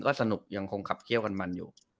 ก็สนุกยังคงขับเคี่ยวกันมันอยู่